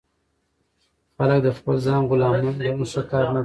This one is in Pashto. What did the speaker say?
خلک د خپل ځان غلامان ګڼل ښه کار نه دئ.